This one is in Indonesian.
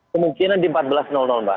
kemungkinan di empat belas mbak